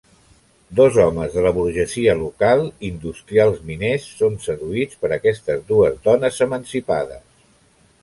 Dos homes de la burgesia local, industrials miners, són seduïts per aquestes dues dones emancipades.